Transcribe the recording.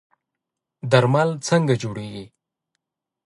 درمل څنګه جوړیږي؟